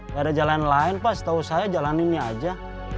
gak ada jalan lain pak setahu saya jalan ini aja